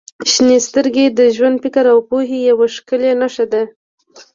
• شنې سترګې د ژور فکر او پوهې یوه ښکلې نښه دي.